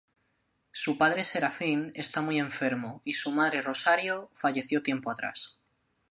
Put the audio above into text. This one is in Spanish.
Su padre Serafín está muy enfermo y su madre Rosario, falleció tiempo atrás.